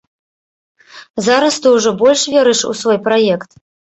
Зараз ты ўжо больш верыш у свой праект?